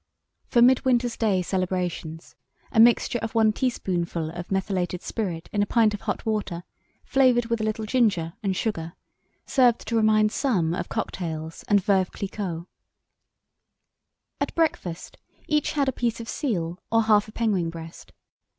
For midwinter's day celebrations, a mixture of one teaspoonful of methylated spirit in a pint of hot water, flavoured with a little ginger and sugar, served to remind some of cock tails and Veuve Cliquot. At breakfast each had a piece of seal or half a penguin breast.